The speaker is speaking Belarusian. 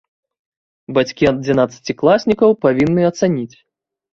Бацькі адзінаццацікласнікаў павінны ацаніць.